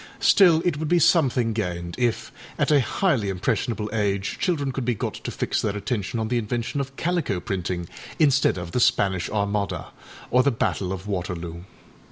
Still, it would be something gained if, at a highly impressionable age, children could be got to fix their attention on the invention of calico printing instead of the Spanish Armada or the Battle of Waterloo.